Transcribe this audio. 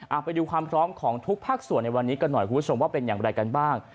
เอาไปดูความพร้อมของทุกภาคส่วนในวันนี้กันหน่อยคุณผู้ชมว่าเป็นอย่างไรกันบ้าง